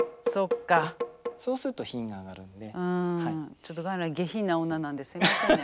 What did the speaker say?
ちょっとかなり下品なオンナなんですいませんね。